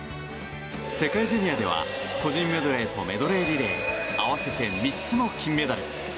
世界ジュニアでは個人メドレーとメドレーリレー合わせて３つの金メダル。